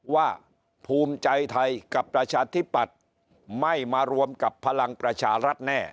ภูมิใจไทยกับประชาธิปัตย์ไม่มารวมกับพลังประชารัฐแน่